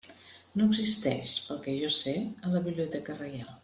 No existeix, pel que jo sé, a la Biblioteca Reial.